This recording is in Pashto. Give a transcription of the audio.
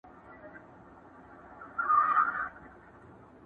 په جهان کي به خوره وره غوغا سي.